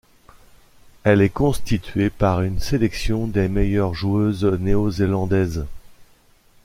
Elle est constituée par une sélection des meilleures joueuses néozélandaises.